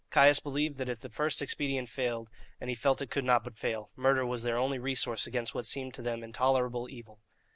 Caius believed that if the first expedient failed, and he felt it could not but fail, murder was their only resource against what seemed to them intolerable evil.